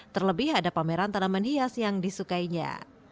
terlebih ada pameran tanaman hias yang disukainya